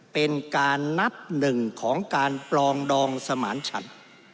เป็นการนับหนึ่งของการปลองดองสมานฉัน